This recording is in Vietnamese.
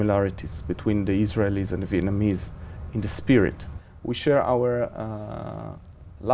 đất nước israel và việt nam đều có một hình ảnh